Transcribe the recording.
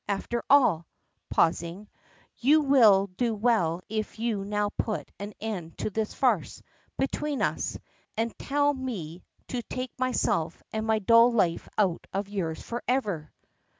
After all," pausing, "you will do well if you now put an end to this farce between us; and tell me to take myself and my dull life out of yours forever."